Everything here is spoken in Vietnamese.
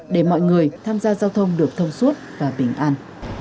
để mọi người tham gia giao thông được thông suốt và bình an